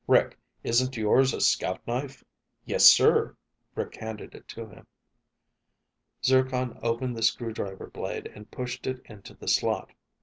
Rick, isn't yours a scout knife?" "Yes, sir." Rick handed it to him. Zircon opened the screwdriver blade and pushed it into the slot.